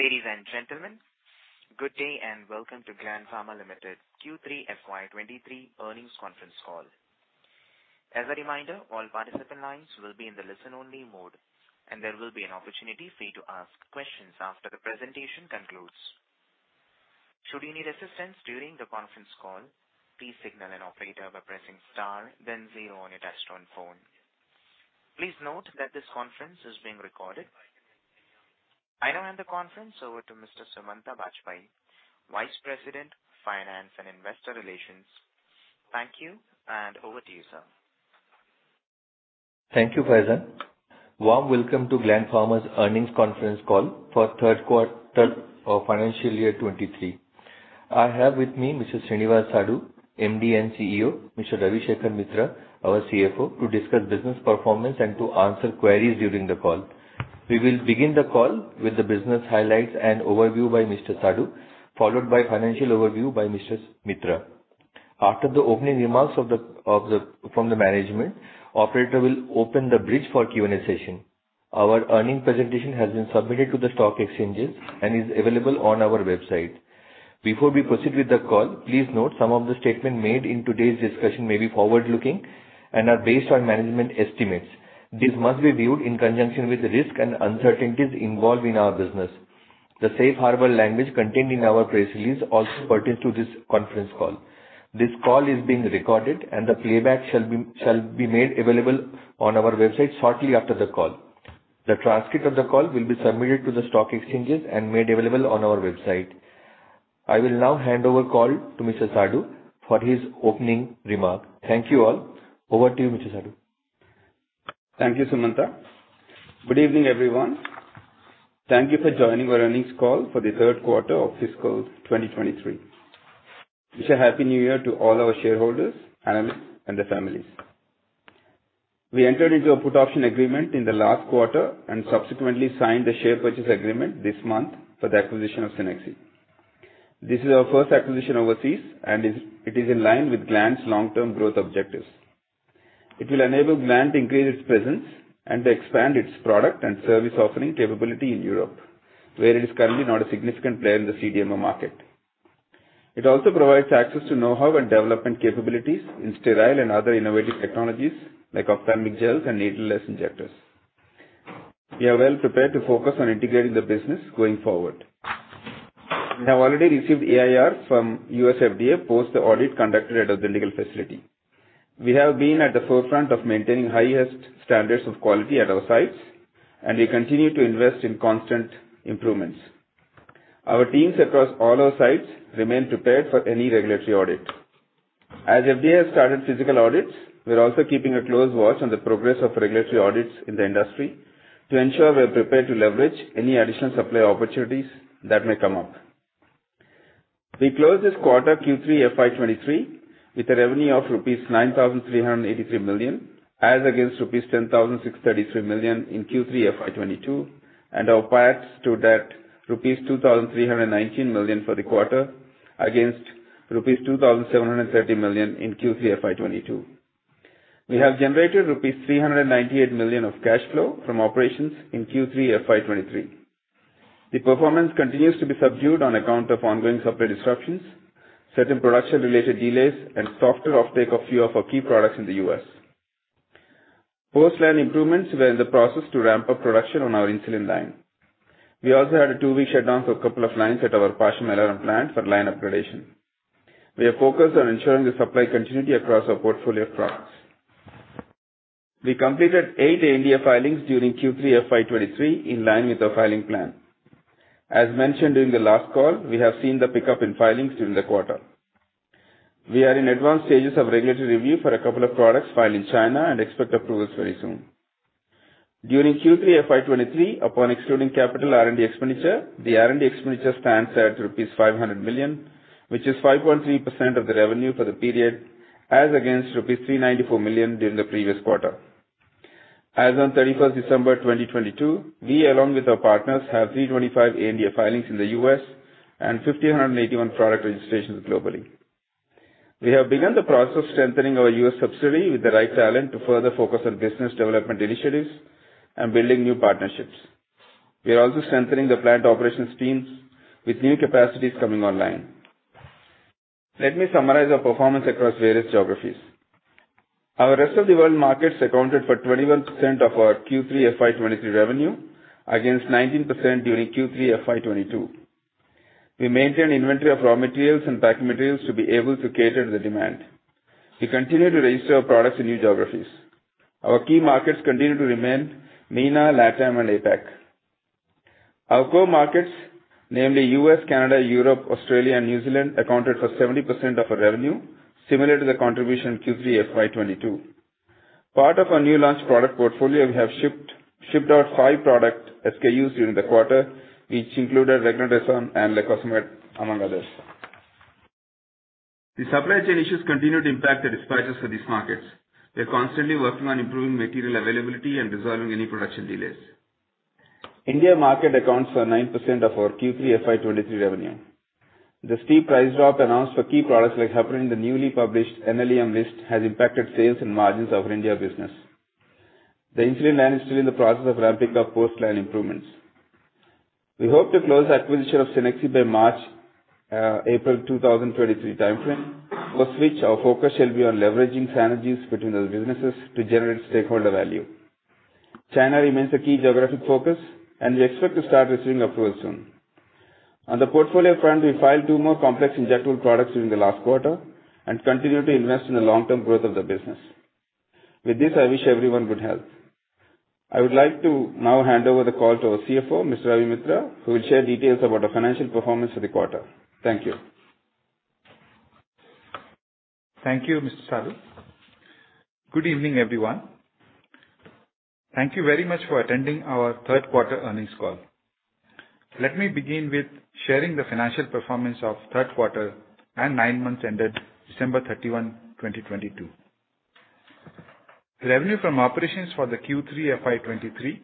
Ladies and gentlemen, good day and welcome to Gland Pharma Limited Q3 FY 2023 earnings conference call. As a reminder, all participant lines will be in the listen-only mode. There will be an opportunity for you to ask questions after the presentation concludes. Should you need assistance during the conference call, please signal an operator by pressing star then zero on your touch-tone phone. Please note that this conference is being recorded. I now hand the conference over to Mr. Sumanta Bajpayee, Vice President, Finance and Investor Relations. Thank you. Over to you, sir. Thank you, Faizan. Warm welcome to Gland Pharma's earnings conference call for third quarter of FY 2023. I have with me Mr. Srinivas Sadu, MD and CEO, Mr. Ravi Shekhar Mitra, our CFO, to discuss business performance and to answer queries during the call. We will begin the call with the business highlights and overview by Mr. Sadu, followed by financial overview by Mr. Mitra. After the opening remarks from the management, operator will open the bridge for Q&A session. Our earnings presentation has been submitted to the stock exchanges and is available on our website. Before we proceed with the call, please note some of the statements made in today's discussion may be forward-looking and are based on management estimates. These must be viewed in conjunction with the risk and uncertainties involved in our business. The safe harbor language contained in our press release also pertains to this conference call. This call is being recorded, and the playback shall be made available on our website shortly after the call. The transcript of the call will be submitted to the stock exchanges and made available on our website. I will now hand over call to Mr. Sadu for his opening remark. Thank you all. Over to you, Mr. Sadu. Thank you, Sumanta. Good evening, everyone. Thank you for joining our earnings call for the third quarter of fiscal 2023. Wish a Happy New Year to all our shareholders and the families. We entered into a put option agreement in the last quarter and subsequently signed the share purchase agreement this month for the acquisition of Cenexi. This is our first acquisition overseas and it is in line with Gland's long-term growth objectives. It will enable Gland to increase its presence and to expand its product and service offering capability in Europe, where it is currently not a significant player in the CDMO market. It also provides access to know-how and development capabilities in sterile and other innovative technologies like ophthalmic gels and needleless injectors. We are well prepared to focus on integrating the business going forward. We have already received EIR from U.S. FDA post the audit conducted at our Dundigal facility. We have been at the forefront of maintaining highest standards of quality at our sites, and we continue to invest in constant improvements. Our teams across all our sites remain prepared for any regulatory audit. As FDA has started physical audits, we're also keeping a close watch on the progress of regulatory audits in the industry to ensure we're prepared to leverage any additional supply opportunities that may come up. We closed this quarter, Q3 FY 2023, with a revenue of rupees 9,383 million, as against rupees 10,633 million in Q3 FY 2022, and our PAT stood at rupees 2,319 million for the quarter against rupees 2,730 million in Q3 FY 2022. We have generated rupees 398 million of cash flow from operations in Q3 FY 2023. The performance continues to be subdued on account of ongoing supply disruptions, certain production-related delays, and softer offtake of few of our key products in the U.S. Post-line improvements were in the process to ramp up production on our Insulin line. We also had a two-week shutdown for a couple of lines at our Pashamylaram plant for line upgradation. We are focused on ensuring the supply continuity across our portfolio of products. We completed eight ANDA filings during Q3 FY 2023 in line with our filing plan. As mentioned during the last call, we have seen the pickup in filings during the quarter. We are in advanced stages of regulatory review for a couple of products filed in China and expect approvals very soon. During Q3 FY 2023, upon excluding CapEx R&D expenditure, the R&D expenditure stands at 500 million rupees, which is 5.3% of the revenue for the period as against 394 million rupees during the previous quarter. As on 31st December 2022, we along with our partners have 325 ANDA filings in the U.S. and 1,581 product registrations globally. We have begun the process of strengthening our U.S. subsidiary with the right talent to further focus on business development initiatives and building new partnerships. We are also strengthening the plant operations teams with new capacities coming online. Let me summarize our performance across various geographies. Our Rest of World markets accounted for 21% of our Q3 FY 2023 revenue against 19% during Q3 FY 2022. We maintain inventory of raw materials and packing materials to be able to cater to the demand. We continue to register our products in new geographies. Our key markets continue to remain MENA, LatAm, and APAC. Our Core Markets, namely U.S., Canada, Europe, Australia, and New Zealand, accounted for 70% of our revenue, similar to the contribution in Q3 FY 2022. Part of our new launch product portfolio, we have shipped out five product SKUs during the quarter, which included Regadenoson and Lacosamide, among others. The supply chain issues continue to impact the disparities for these markets. We are constantly working on improving material availability and resolving any production delays. India market accounts for 9% of our Q3 FY 2023 revenue. The steep price drop announced for key products like Heparin in the newly published NLEM list has impacted sales and margins of our India business. The Insulin line is still in the process of ramping up post line improvements. We hope to close the acquisition of Cenexi by March-April 2023 timeframe, post which our focus shall be on leveraging synergies between those businesses to generate stakeholder value. China remains a key geographic focus. We expect to start receiving approval soon. On the portfolio front, we filed two more complex injectable products during the last quarter. We continue to invest in the long-term growth of the business. With this, I wish everyone good health. I would like to now hand over the call to our CFO, Mr. Ravi Mitra, who will share details about our financial performance for the quarter. Thank you. Thank you, Mr. Sadu. Good evening, everyone. Thank you very much for attending our third quarter earnings call. Let me begin with sharing the financial performance of third quarter and nine months ended December 31, 2022. Revenue from operations for the Q3 FY 2023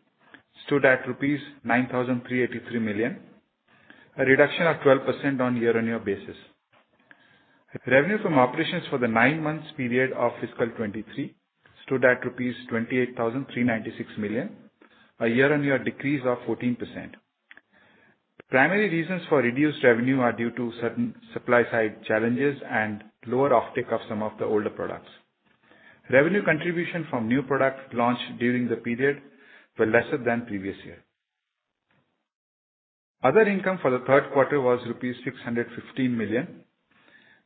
stood at rupees 9,383 million, a reduction of 12% on year-on-year basis. Revenue from operations for the nine months period of FY 2023 stood at rupees 28,396 million, a year-on-year decrease of 14%. Primary reasons for reduced revenue are due to certain supply side challenges and lower offtake of some of the older products. Revenue contribution from new products launched during the period were lesser than previous year. Other income for the third quarter was rupees 615 million,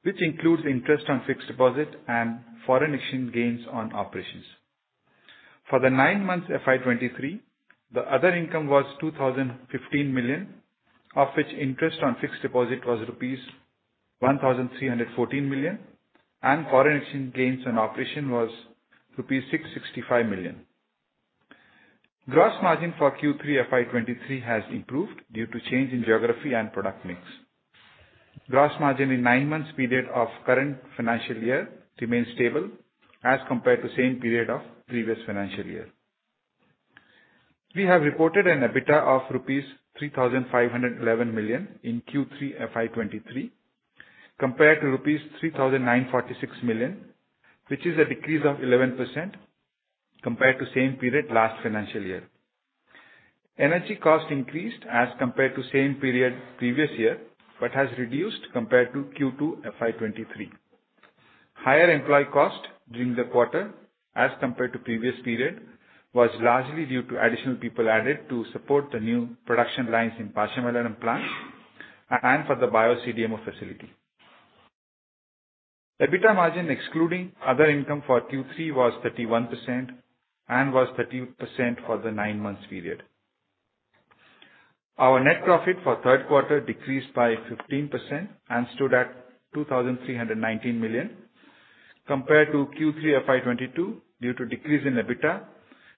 which includes interest on fixed deposit and foreign exchange gains on operations. For the nine months FY 2023, the other income was 2,015 million, of which interest on fixed deposit was rupees 1,314 million and foreign exchange gains on operation was rupees 665 million. Gross margin for Q3 FY 2023 has improved due to change in geography and product mix. Gross margin in nine months period of current financial year remains stable as compared to same period of previous financial year. We have reported an EBITDA of rupees 3,511 million in Q3 FY 2023 compared to rupees 3,946 million, which is a decrease of 11% compared to same period last financial year. Energy cost increased as compared to same period previous year, but has reduced compared to Q2 FY 2023. Higher employee cost during the quarter as compared to previous period was largely due to additional people added to support the new production lines in Pashamylaram plant and for the Bio-CDMO facility. EBITDA margin excluding other income for Q3 was 31% and was 13% for the nine months period. Our net profit for third quarter decreased by 15% and stood at 2,319 million compared to Q3 FY 2022 due to decrease in EBITDA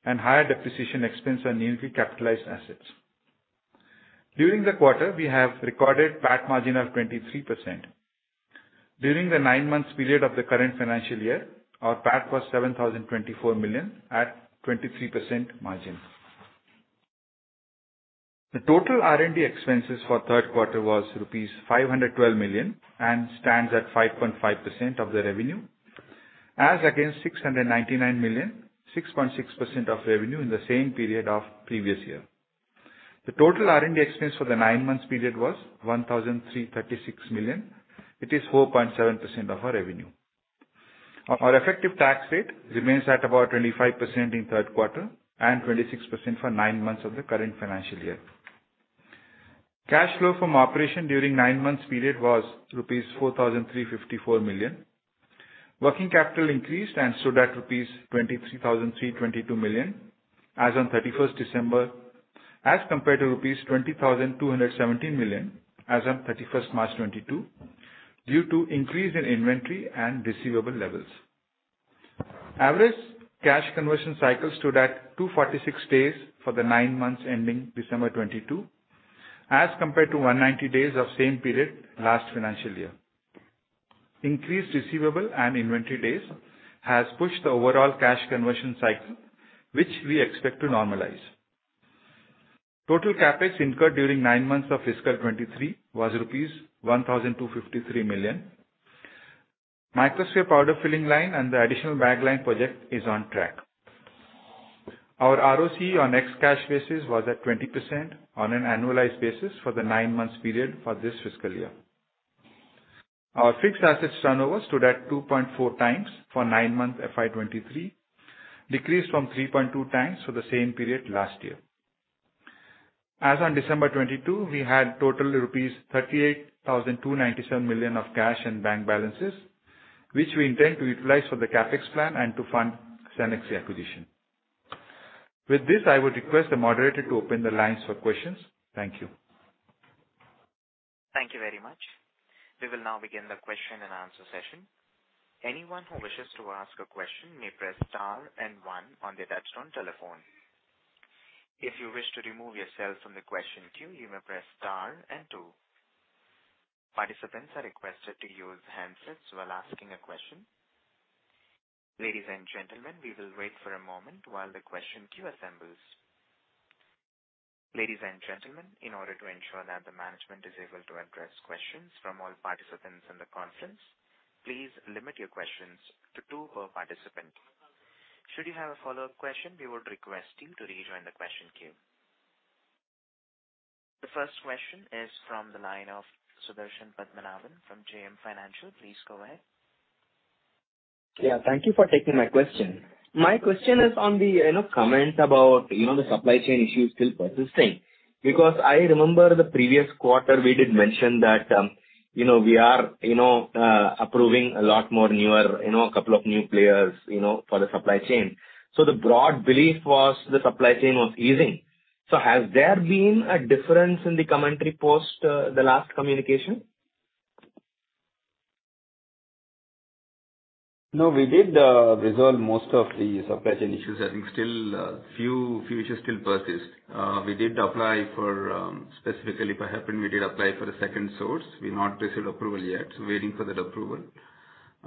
and higher depreciation expense on newly capitalized assets. During the quarter, we have recorded PAT margin of 23%. During the nine months period of the current financial year, our PAT was 7,024 million at 23% margin. The total R&D expenses for third quarter was rupees 512 million and stands at 5.5% of the revenue as against 699 million, 6.6% of revenue in the same period of previous year. The total R&D expense for the nine months period was 1,336 million, it is 4.7% of our revenue. Our effective tax rate remains at about 25% in third quarter and 26% for nine months of the current financial year. Cash flow from operation during nine months period was rupees 4,354 million. Working capital increased and stood at rupees 23,322 million as on 31st December as compared to rupees 20,217 million as on 31st March 2022 due to increase in inventory and receivable levels. Average cash conversion cycle stood at 246 days for the nine months ending December 2022 as compared to 190 days of same period last financial year. Increased receivable and inventory days has pushed the overall cash conversion cycle, which we expect to normalize. Total CapEx incurred during nine months of fiscal 2023 was rupees 1,253 million. Microsphere powder filling line and the additional bag line project is on track. Our ROC on ex-cash basis was at 20% on an annualized basis for the nine months period for this fiscal year. Our fixed asset turnover stood at 2.4x for nine-month FY 2023, decreased from 3.2x for the same period last year. As on December 22, we had total rupees 38,297 million of cash and bank balances, which we intend to utilize for the CapEx plan and to fund Cenexi acquisition. With this, I would request the moderator to open the lines for questions. Thank you. Thank you very much. We will now begin the question and answer session. Anyone who wishes to ask a question may press star and one on their touchtone telephone. If you wish to remove yourself from the question queue, you may press star and two. Participants are requested to use handsets while asking a question. Ladies and gentlemen, we will wait for a moment while the question queue assembles. Ladies and gentlemen, in order to ensure that the management is able to address questions from all participants in the conference, please limit your questions to two per participant. Should you have a follow-up question, we would request you to rejoin the question queue. The first question is from the line of Sudarshan Padmanabhan from JM Financial. Please go ahead. Yeah. Thank you for taking my question. My question is on the, you know, comment about, you know, the supply chain issue still persisting. I remember the previous quarter we did mention that, you know, we are, you know, approving a lot more newer, you know, a couple of new players, you know, for the supply chain. The broad belief was the supply chain was easing. Has there been a difference in the commentary post the last communication? No, we did resolve most of the supply chain issues. I think still, few issues still persist. We did apply for, specifically for Heparin, we did apply for a second source. We've not received approval yet, waiting for that approval.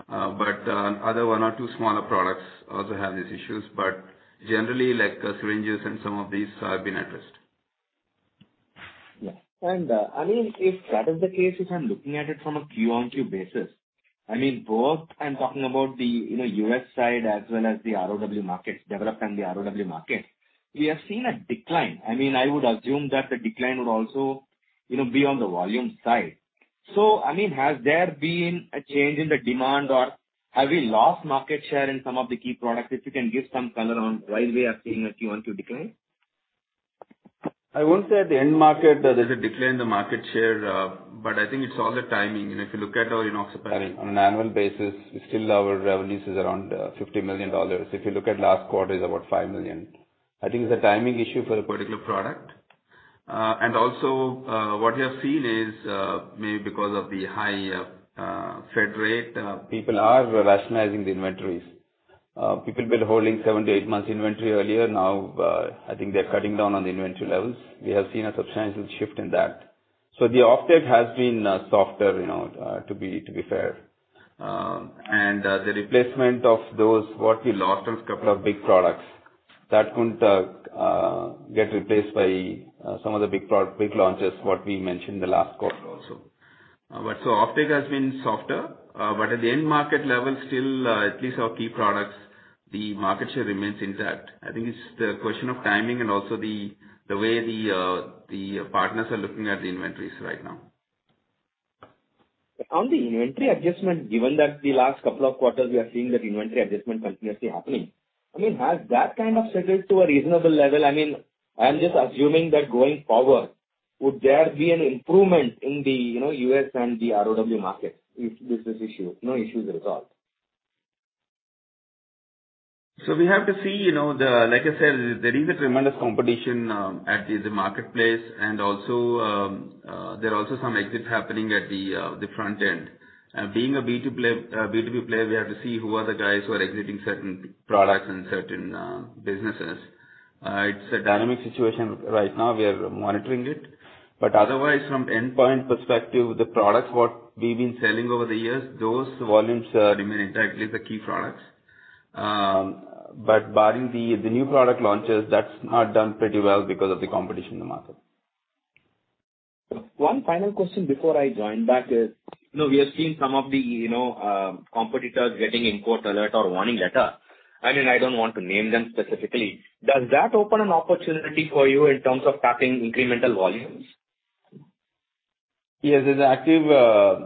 Other one or two smaller products also have these issues. Generally, like, syringes and some of these have been addressed. Yeah. I mean, if that is the case, if I'm looking at it from a Q-on-Q basis, I mean both I'm talking about the, you know, U.S. side as well as the ROW markets, developed and the ROW markets, we have seen a decline. I mean, I would assume that the decline would also, you know, be on the volume side. I mean, has there been a change in the demand or have we lost market share in some of the key products? If you can give some color on why we are seeing a Q-on-Q decline. I won't say at the end market that there's a decline in the market share, but I think it's all the timing. If you look at our, you know, Enoxaparin, on an annual basis, still our revenues is around $50 million. If you look at last quarter is about $5 million. I think it's a timing issue for a particular product. And also, what we have seen is, maybe because of the high Fed rate, people are rationalizing the inventories. People were holding seven to eight months inventory earlier. Now, I think they're cutting down on the inventory levels. We have seen a substantial shift in that. The off-take has been softer, you know, to be fair. The replacement of those, what we lost was two big products that couldn't get replaced by some of the big launches, what we mentioned the last quarter also. Off-take has been softer. At the end market level, still, at least our key products, the market share remains intact. I think it's the question of timing and also the way the partners are looking at the inventories right now. On the inventory adjustment, given that the last couple of quarters we are seeing that inventory adjustment continuously happening, I mean, has that kind of settled to a reasonable level? I mean, I'm just assuming that going forward, would there be an improvement in the, you know, U.S. and the ROW markets if this issue... you know, issue is resolved? We have to see, you know, Like I said, there is a tremendous competition at the marketplace and also there are also some exits happening at the front end. Being a B2B player, we have to see who are the guys who are exiting certain products and certain businesses. It's a dynamic situation right now. We are monitoring it. Otherwise from endpoint perspective, the products, what we've been selling over the years, those volumes remain intact. These are key products. Barring the new product launches, that's not done pretty well because of the competition in the market. One final question before I join back is. You know, we have seen some of the, you know, competitors getting import alert or warning letter. I mean, I don't want to name them specifically. Does that open an opportunity for you in terms of tapping incremental volumes? Yes, there's active,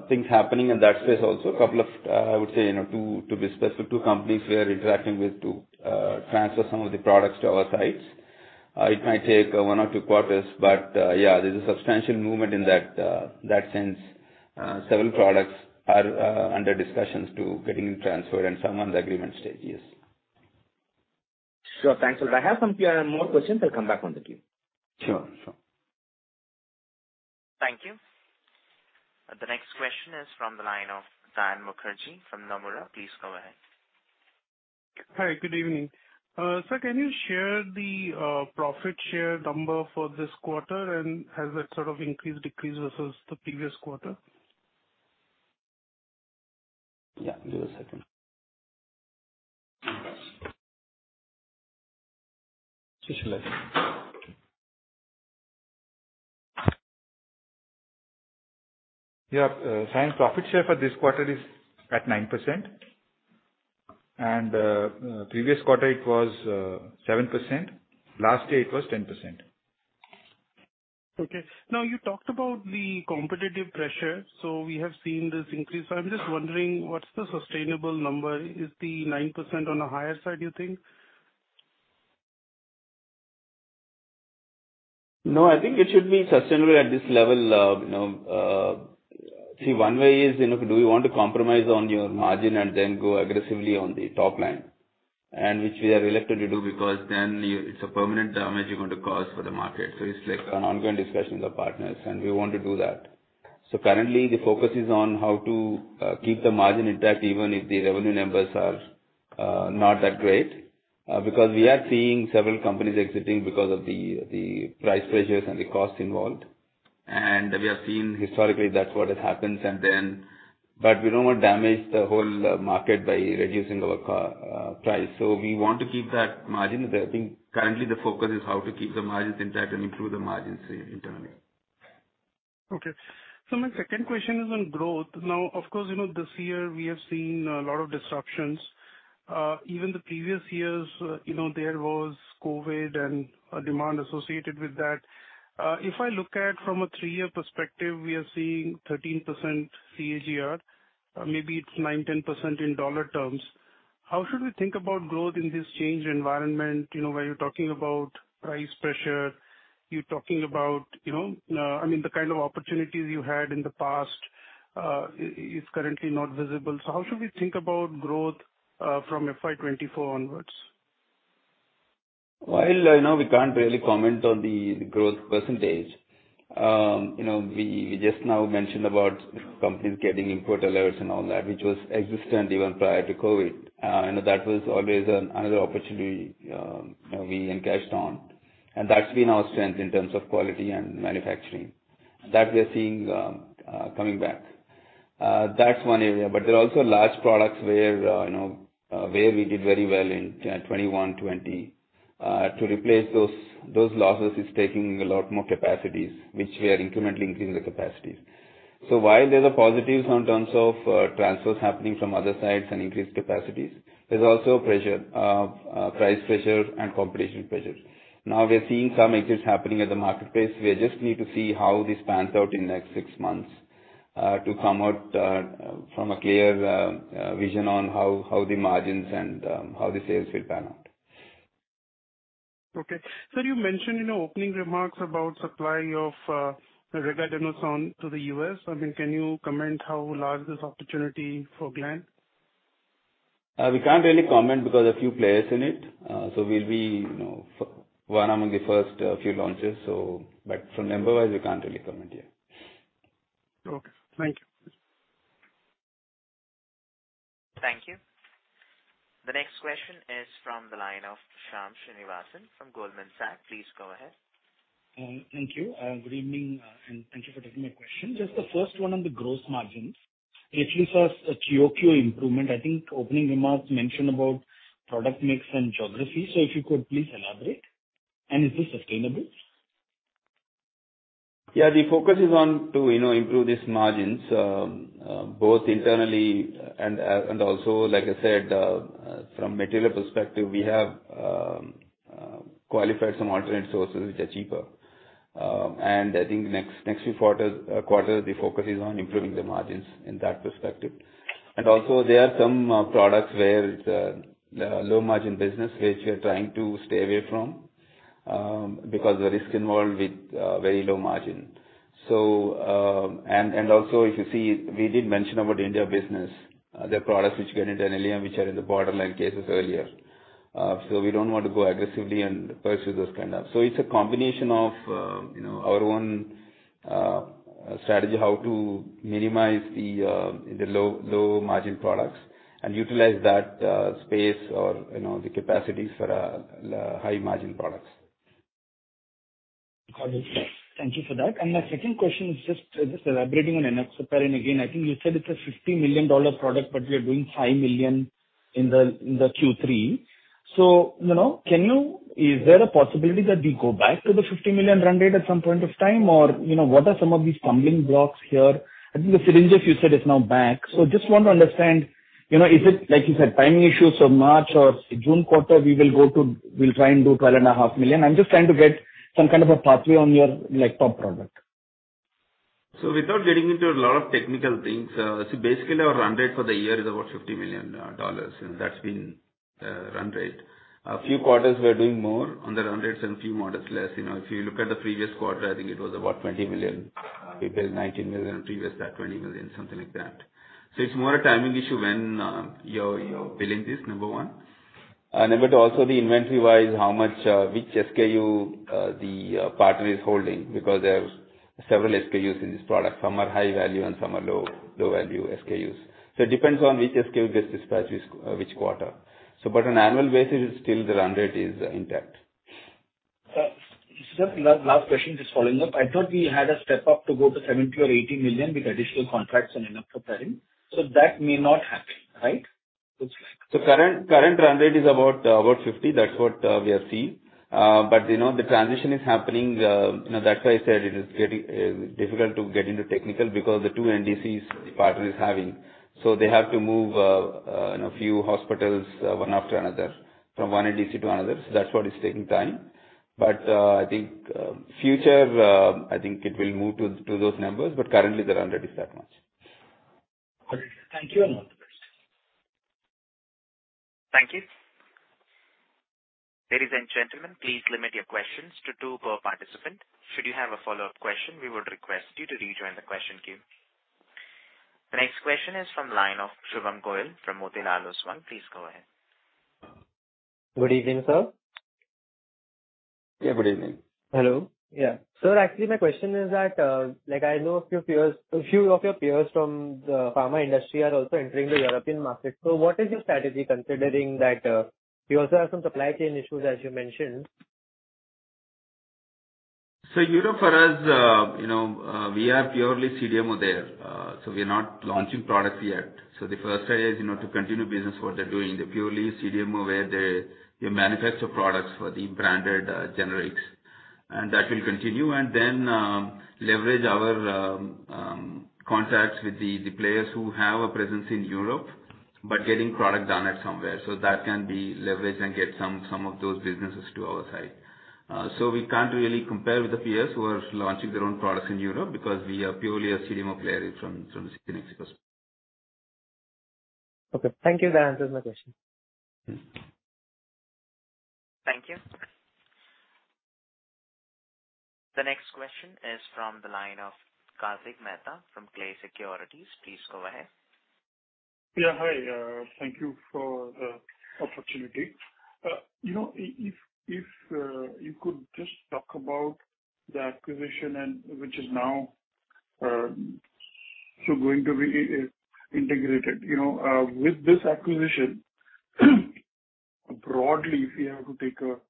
things happening in that space also. A couple of, I would say, you know, two, to be specific, two companies we are interacting with to, transfer some of the products to our sites. It might take one or two quarters, but, yeah, there's a substantial movement in that sense. Several products are, under discussions to getting transferred and some on the agreement stage, yes. Sure. Thanks. I have some PR more questions. I'll come back on the queue. Sure. Sure. Thank you. The next question is from the line of Saion Mukherjee from Nomura. Please go ahead. Hi. Good evening. Sir, can you share the profit share number for this quarter, and has that sort of increased, decreased versus the previous quarter? Yeah. Give me a second. Yeah. Saion profit share for this quarter is at 9%, and previous quarter it was 7%. Last year it was 10%. Okay. Now you talked about the competitive pressure. We have seen this increase. I'm just wondering what's the sustainable number? Is the 9% on the higher side, you think? No, I think it should be sustainable at this level. you know, see, one way is, you know, do you want to compromise on your margin and then go aggressively on the top line? Which we are reluctant to do because then it's a permanent damage you're going to cause for the market. It's like an ongoing discussions with partners, and we want to do that. Currently the focus is on how to keep the margin intact, even if the revenue numbers are not that great, because we are seeing several companies exiting because of the price pressures and the costs involved. We have seen historically that's what has happened. We don't want to damage the whole market by reducing our car price. We want to keep that margin. I think currently the focus is how to keep the margins intact and improve the margins internally. Okay. My second question is on growth. Now, of course, you know, this year we have seen a lot of disruptions. Even the previous years, you know, there was COVID and a demand associated with that. If I look at from a three-year perspective, we are seeing 13% CAGR. Maybe it's 9%, 10% in dollar terms. How should we think about growth in this changed environment? You know, where you're talking about price pressure, you're talking about, you know, I mean, the kind of opportunities you had in the past, is currently not visible. How should we think about growth from FY 2024 onwards? While, you know, we can't really comment on the growth percentage, you know, we just now mentioned about companies getting import alerts and all that, which was existent even prior to COVID. That was always another opportunity, you know, we encashed on. That's been our strength in terms of quality and manufacturing. That we are seeing coming back. That's one area. There are also large products where, you know, where we did very well in 2010, 2021, 2020. To replace those losses is taking a lot more capacities, which we are incrementally increasing the capacities. While there's a positives in terms of transfers happening from other sites and increased capacities, there's also pressure, price pressures and competition pressures. We are seeing some exits happening at the marketplace. We just need to see how this pans out in the next six months to come out from a clear vision on how the margins and how the sales will pan out. Okay. Sir, you mentioned in your opening remarks about supplying of, Regadenoson to the U.S. I mean, can you comment how large this opportunity for Gland? We can't really comment because a few players in it. We'll be, you know, one among the first few launches. From number-wise, we can't really comment, yeah. Okay. Thank you. Thank you. The next question is from the line of Shyam Srinivasan from Goldman Sachs. Please go ahead. Thank you. Good evening, and thank you for taking my question. Just the first one on the gross margins, Q3 saw a QoQ improvement. I think opening remarks mentioned about product mix and geography. If you could please elaborate. Is this sustainable? Yeah, the focus is on to, you know, improve these margins, both internally and also, like I said, from material perspective, we have qualified some alternate sources which are cheaper. I think next few quarters, the focus is on improving the margins in that perspective. Also there are some products where the low margin business, which we are trying to stay away from, because the risk involved with very low margin. Also if you see, we did mention about India business. There are products which get into NLEM, which are in the borderline cases earlier. We don't want to go aggressively and pursue those kind of... It's a combination of, you know, our own strategy how to minimize the low margin products and utilize that space or, you know, the capacities for high margin products. Got it. Thank you for that. My second question is just elaborating on Enoxaparin. Again, I think you said it's a $50 million product, but we are doing $5 million in the Q3. You know, is there a possibility that we go back to the $50 million run rate at some point of time? You know, what are some of these stumbling blocks here? I think the syringe, as you said, is now back. Just want to understand, you know, is it, like you said, timing issues or March or June quarter, we will try and do $12.5 million. I'm just trying to get some kind of a pathway on your, like, top product. Without getting into a lot of technical things, basically our run rate for the year is about $50 million, and that's been the run rate. A few quarters we are doing more on the run rates and a few quarters less. You know, if you look at the previous quarter, I think it was about $20 million. April, $19 million. Previous that, $20 million, something like that. It's more a timing issue when you're billing this, number one. Number two, also the inventory-wise, how much which SKU the partner is holding because there are several SKUs in this product. Some are high value and some are low value SKUs. It depends on which SKU gets dispatched which quarter. On annual basis, still the run rate is intact. Sir, last question, just following up. I thought we had a step up to go to $70 million or $80 million with additional contracts on Enoxaparin. That may not happen, right? Current run rate is $50 million. That's what we are seeing. You know, the transition is happening. You know, that's why I said it is getting difficult to get into technical because the two NDCs the partner is having. They have to move, you know, a few hospitals, one after another, from one NDC to another. That's what is taking time. I think future, I think it will move to those numbers, but currently the run rate is that much. Got it. Thank you and all the best. Thank you. Ladies and gentlemen, please limit your questions to two per participant. Should you have a follow-up question, we would request you to rejoin the question queue. The next question is from line of Shubham Goyal from Motilal Oswal. Please go ahead. Good evening, sir. Yeah, good evening. Hello. Yeah. Sir, actually my question is that, like I know a few of your peers from the pharma industry are also entering the European market. What is your strategy considering that you also have some supply chain issues as you mentioned? Europe for us, you know, we are purely CDMO there. We are not launching products yet. The first area is, you know, to continue business what they're doing. They're purely CDMO where they manufacture products for the branded, generics, and that will continue. Then, leverage our contacts with the players who have a presence in Europe, but getting product done at somewhere. That can be leveraged and get some of those businesses to our side. We can't really compare with the peers who are launching their own products in Europe because we are purely a CDMO player from Cenexi perspective. Okay. Thank you. That answers my question. Mm-hmm. Thank you. The next question is from the line of Kartik Mehta from Klay Capital. Please go ahead. Yeah, hi. Thank you for the opportunity. You know, if you could just talk about the acquisition and which is now so going to be integrated. You know, with this acquisition broadly, if you have to take a two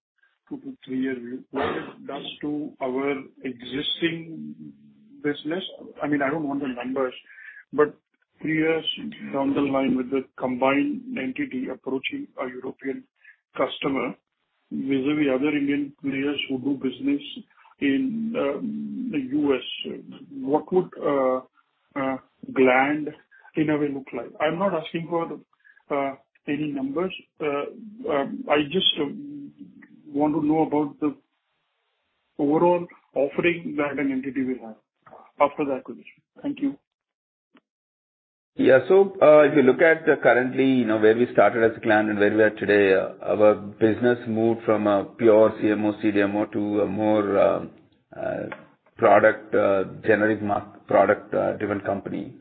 to three year view, what it does to our existing business. I mean, I don't want the numbers, but three years down the line with the combined entity approaching a European customer vis-à-vis other Indian players who do business in the U.S., what would Gland in a way look like? I'm not asking for the any numbers. I just want to know about the overall offering that an entity will have after the acquisition. Thank you. If you look at currently, you know, where we started as Gland and where we are today, our business moved from a pure CMO/CDMO to a more product, generic product driven company.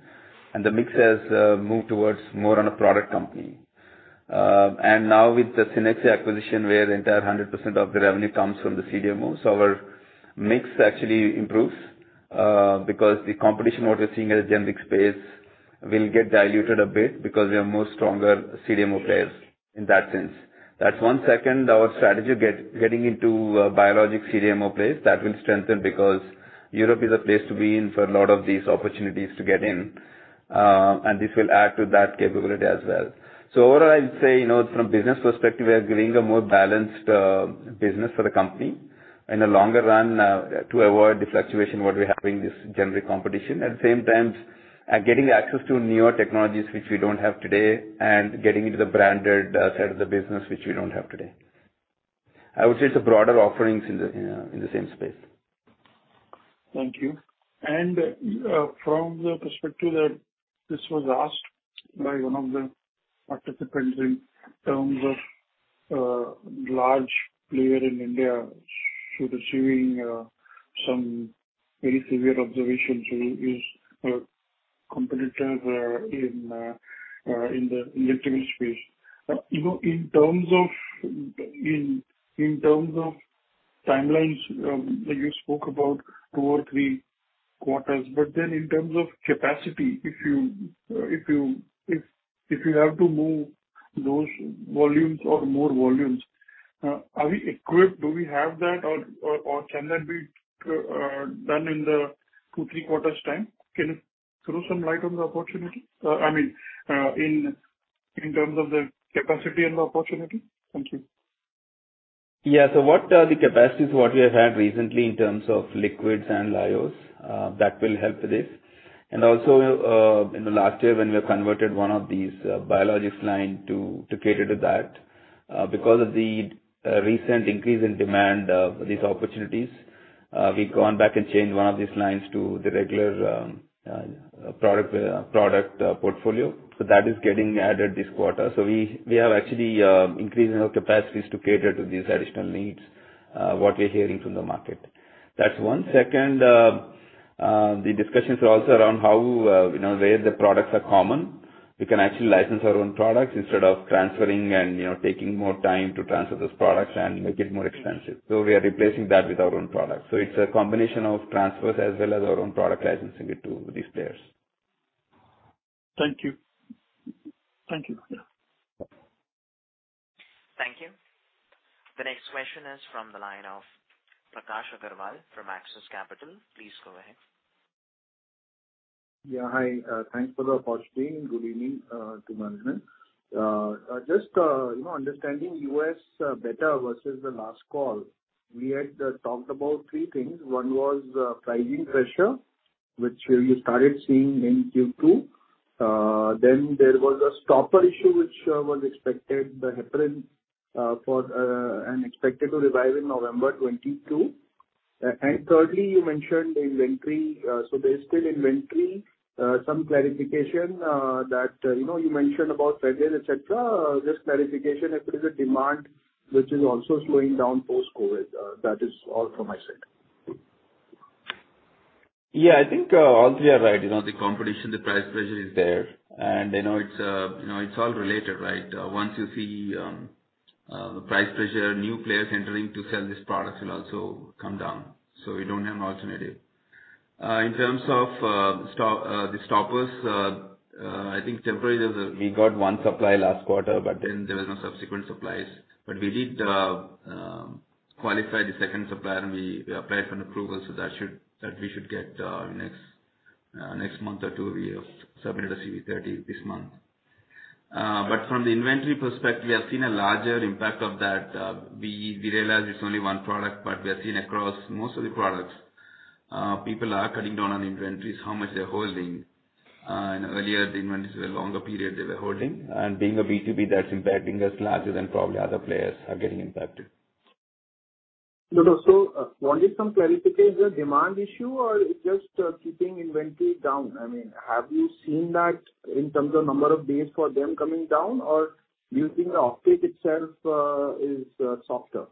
The mix has moved towards more on a product company. Now with the Cenexi acquisition, where the entire 100% of the revenue comes from the CDMO. Our mix actually improves because the competition what we're seeing in the generic space will get diluted a bit because we are more stronger CDMO players in that sense. That's one. Second, our strategy getting into biologic CDMO space, that will strengthen because Europe is a place to be in for a lot of these opportunities to get in, this will add to that capability as well. Overall I'd say, you know, from business perspective, we are getting a more balanced business for the company. In the longer run, to avoid the fluctuation what we're having, this generic competition. At the same time, getting access to newer technologies which we don't have today, and getting into the branded side of the business which we don't have today. I would say it's a broader offerings in the same space. Thank you. From the perspective that this was asked by one of the participants in terms of a large player in India who's receiving some very severe observations who is competitive in the electrical space. You know, in terms of timelines, you spoke about two or three quarters, in terms of capacity, if you, if you have to move those volumes or more volumes, are we equipped? Do we have that or can that be done in the two, three quarters time? Can you throw some light on the opportunity? I mean, in terms of the capacity and the opportunity. Thank you. Yeah. What the capacities what we have had recently in terms of liquids and lyos, that will help this. Also, in the last year when we have converted one of these biologics line to cater to that, because of the recent increase in demand of these opportunities, we've gone back and changed one of these lines to the regular product portfolio. That is getting added this quarter. We have actually increasing our capacities to cater to these additional needs, what we're hearing from the market. That's one. Second, the discussions are also around how, you know, where the products are common. We can actually license our own products instead of transferring and, you know, taking more time to transfer those products and make it more expensive. We are replacing that with our own products. It's a combination of transfers as well as our own product licensing it to these players. Thank you. Thank you. Yeah. Yeah. Thank you. The next question is from the line of Prakash Agarwal from Axis Capital. Please go ahead. Hi. Thanks for the opportunity. Good evening to management. Just, you know, understanding U.S. better versus the last call, we had talked about three things. One was pricing pressure, which you started seeing in Q2. Then there was a stopper issue which was expected, the Heparin, for and expected to revive in November 2022. Thirdly, you mentioned inventory. There's still inventory, some clarification that, you know, you mentioned about credits, et cetera. Just clarification if there's a demand which is also slowing down post-COVID. That is all from my side. Yeah. I think, all three are right. You know, the competition, the price pressure is there, and I know it's, you know, it's all related, right? Once you see, the price pressure, new players entering to sell these products will also come down. We don't have an alternative. In terms of, the stoppers, I think temporarily there's a... We got one supply last quarter, but then there was no subsequent supplies. We did qualify the second supplier and we applied for an approval, so that should, that we should get, next month or two. We have submitted a CBE-30 this month. From the inventory perspective, we have seen a larger impact of that. We realize it's only one product, but we are seeing across most of the products, people are cutting down on inventories, how much they're holding. Earlier the inventories were longer period they were holding. Being a B2B, that's impacting us larger than probably other players are getting impacted. No, no. Wanted some clarification. Is it a demand issue or it's just keeping inventory down? I mean, have you seen that in terms of number of days for them coming down or using the offtake itself is softer?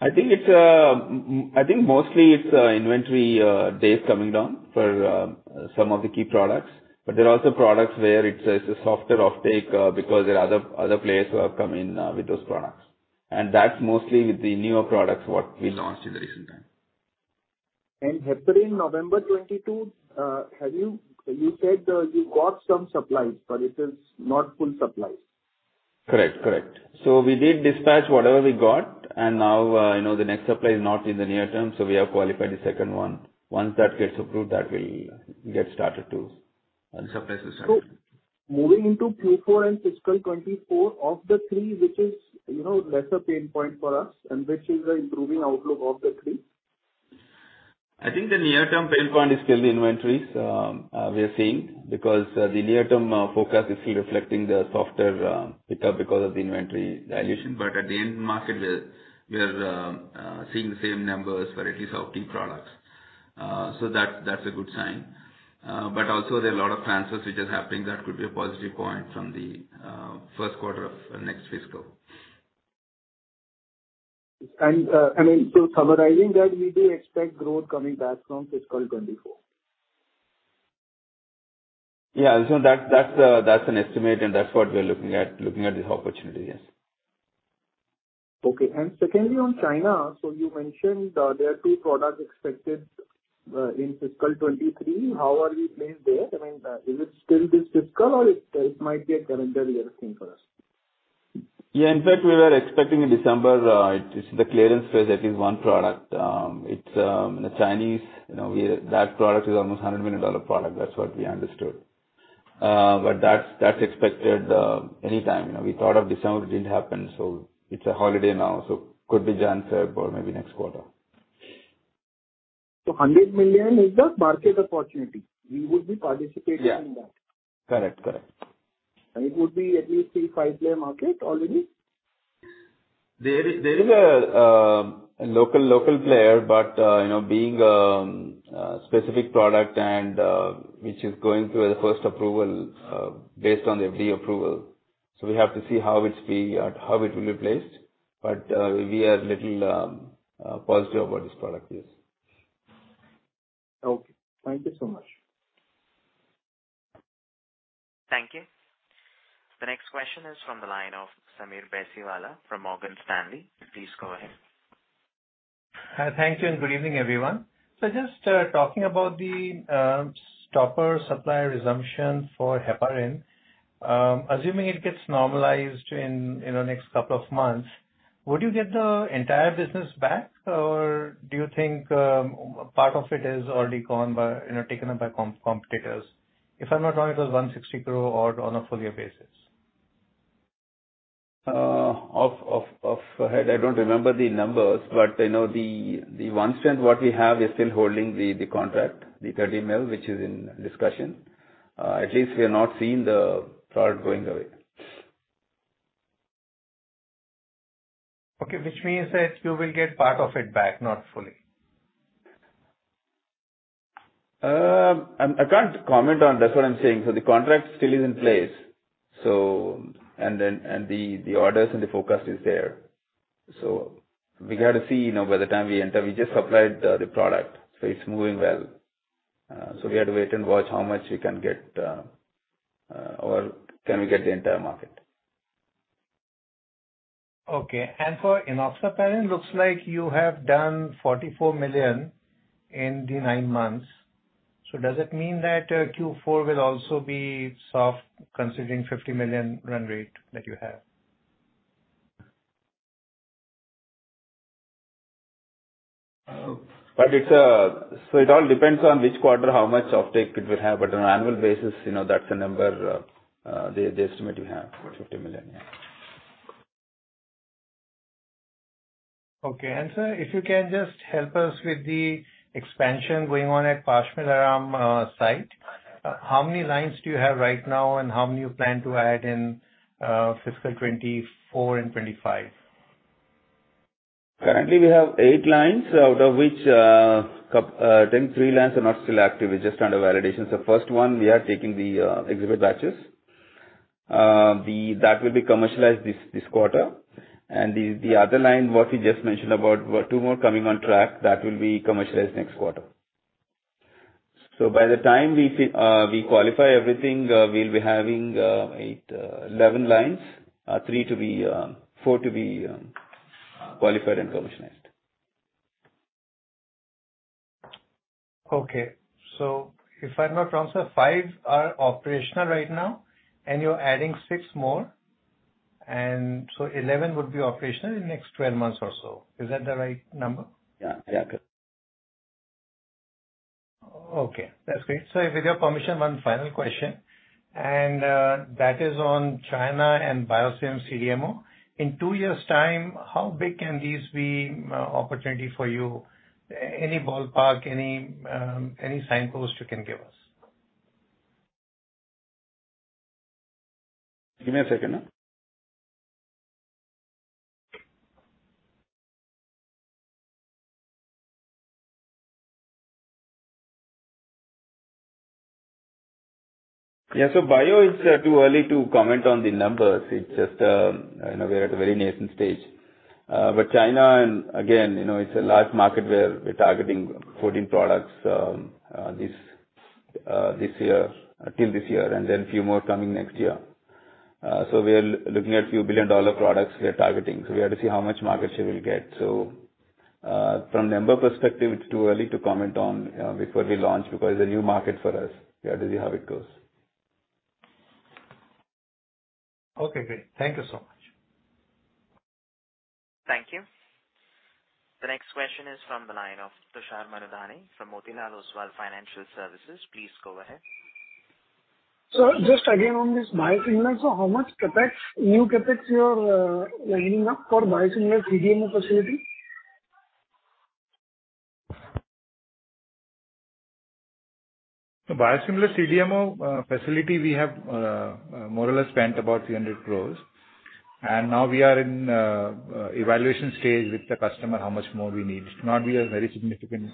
I think mostly it's inventory days coming down for some of the key products. There are also products where it's a, it's a softer offtake because there are other players who have come in with those products. That's mostly with the newer products what we launched in the recent time. Heparin November 22, You said, you got some supplies, but it is not full supplies. Correct. Correct. We did dispatch whatever we got, and now, you know, the next supply is not in the near term, so we have qualified the second one. Once that gets approved, the supplies will start. Moving into Q4 and FY 2024, of the three, which is, you know, lesser pain point for us and which is the improving outlook of the three? I think the near-term pain point is still the inventories, we are seeing because the near-term focus is still reflecting the softer pickup because of the inventory valuation. At the end market we're seeing the same numbers for at least out team products. That's a good sign. Also there are a lot of transfers which is happening that could be a positive point from the first quarter of next fiscal. I mean, summarizing that, we do expect growth coming back from fiscal 2024. Yeah. That's, that's an estimate, and that's what we are looking at this opportunity. Yes. Okay. Secondly, on China, so you mentioned, there are two products expected in fiscal 2023. How are we playing there? I mean, is it still this fiscal or it might be a calendar year thing for us? Yeah. In fact, we were expecting in December to see the clearance for at least one product. It's the Chinese, you know, That product is almost $100 million product. That's what we understood. That's, that's expected anytime, you know. We thought of December, it didn't happen, so it's a holiday now, so could be Jan, Feb, or maybe next quarter. 100 million is the market opportunity. We would be participating. Yeah. in that. Correct. Correct. It would be at least a five-player market already? There is a local player, you know, being a specific product and which is going through a first approval based on the BD approval. We have to see how it will be placed. We are little positive about this product, yes. Okay. Thank you so much. Thank you. The next question is from the line of Sameer Baisiwala from Morgan Stanley. Please go ahead. Hi. Thank you, and good evening, everyone. Just talking about the stopper supplier resumption for Heparin. Assuming it gets normalized in the next couple of months, would you get the entire business back or do you think, part of it is already gone by... You know, taken up by competitors? If I'm not wrong, it was 160 crore or on a full year basis. Off ahead I don't remember the numbers, but I know the one strength what we have is still holding the contract, the $30 million, which is in discussion. At least we are not seeing the product going away. Okay. Which means that you will get part of it back, not fully. I can't comment on... That's what I'm saying. The contract still is in place, so... The orders and the forecast is there. We got to see, you know, by the time we enter. We just supplied the product, so it's moving well. We have to wait and watch how much we can get, or can we get the entire market. Okay. For enoxaparin, looks like you have done $44 million in the nine months. Does it mean that Q4 will also be soft considering $50 million run rate that you have? It all depends on which quarter how much offtake it will have. On an annual basis, you know, that's the number, the estimate we have for $50 million. Yeah. Okay. Sir, if you can just help us with the expansion going on at Pashamylaram site. How many lines do you have right now and how many you plan to add in fiscal 2024 and 2025? Currently we have eight lines out of which, I think three lines are not still active. It's just under validation. First one we are taking the exhibit batches. That will be commercialized this quarter. The other line, what we just mentioned about two more coming on track, that will be commercialized next quarter. By the time we qualify everything, we'll be having eight, 11 lines, three to be, four to be qualified and commissioned. Okay. If I'm not wrong, sir, five are operational right now and you're adding six more. 11 would be operational in the next 12 months or so. Is that the right number? Yeah. Yeah. Okay, that's great. With your permission, one final question, and that is on China and biosimilar CDMO. In two years' time, how big can these be, opportunity for you? Any ballpark, any signpost you can give us? Give me a second. Yeah. Bio is too early to comment on the numbers. It's just, you know, we're at a very nascent stage. China and again, you know, it's a large market where we're targeting 14 products this year, till this year, and then a few more coming next year. We are looking at a few billion-dollar products we are targeting. We have to see how much market share we'll get. From number perspective, it's too early to comment on before we launch because it's a new market for us. We have to see how it goes. Okay, great. Thank you so much. Thank you. The next question is from the line of Tushar Manudhane from Motilal Oswal Financial Services. Please go ahead. Sir, just again on this biosimilar. How much CapEx, new CapEx you're lining up for biosimilar CDMO facility? Bio-CDMO facility we have more or less spent about 300 crores. Now we are in evaluation stage with the customer how much more we need. It's not a very significant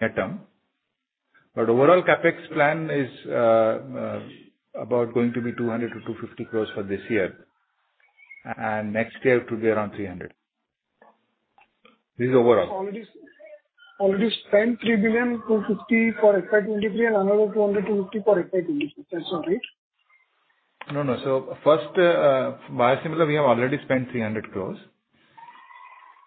item. Overall CapEx plan is about going to be 200-250 crores for this year. Next year to be around 300 crores. This is overall. Spent 3 billion, 250 for FY 2023 and another 250 for FY 2024. That's all right? No, no. First, biosimilar, we have already spent 300 crores.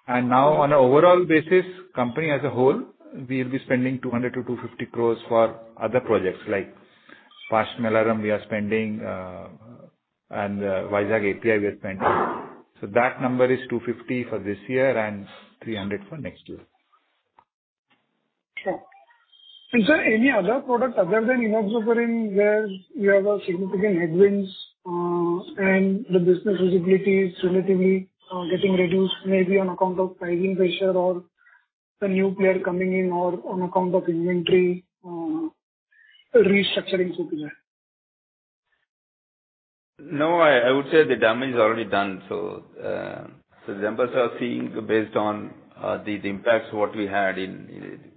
Now on an overall basis, company as a whole, we'll be spending 200 crores-250 crores for other projects like Pashamylaram we are spending, and Vizag API we are spending. That number is 250 for this year and 300 for next year. Sure. Sir, any other product other than Enoxaparin where you have a significant headwinds, and the business visibility is relatively getting reduced maybe on account of pricing pressure or a new player coming in or on account of inventory restructuring, so to say? I would say the damage is already done. The numbers are seeing based on the impacts what we had in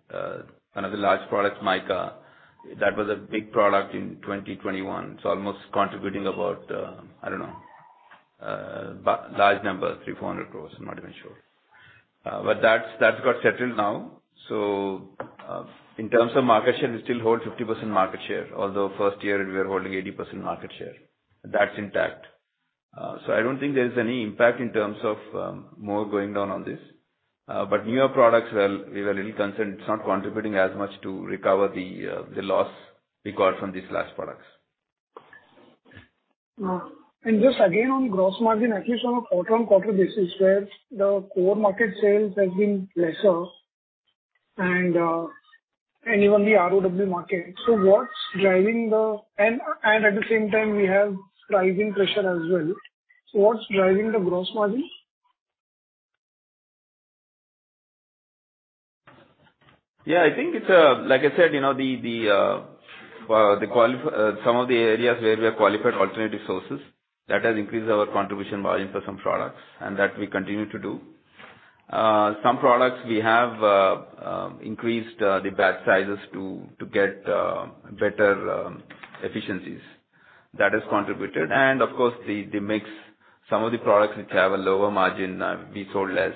one of the large products, Micafungin. That was a big product in 2021. It's almost contributing about, I don't know, large number, 300 crores-INR400 crores. I'm not even sure. That got settled now. In terms of market share, we still hold 50% market share. Although first year we were holding 80% market share. That's intact. I don't think there's any impact in terms of more going down on this. Newer products, well, we have a little concern. It's not contributing as much to recover the loss we got from these last products. Just again on gross margin, at least on a quarter-on-quarter basis where the core market sales has been lesser and even the ROW market. At the same time we have pricing pressure as well. What's driving the gross margin? Yeah, I think it's, like I said, you know, some of the areas where we have qualified alternative sources, that has increased our contribution volume for some products and that we continue to do. Some products we have increased the batch sizes to get better efficiencies. That has contributed. Of course, the mix, some of the products which have a lower margin, we sold less